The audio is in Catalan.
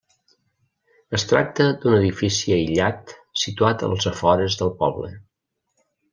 Es tracta d'un edifici aïllat situat als afores del poble.